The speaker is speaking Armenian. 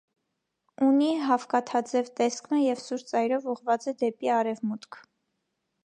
Ունի հաւկթաձեւ տեսք մը եւ սուր ծայրով ուղղուած է դէպի արեւմուտք։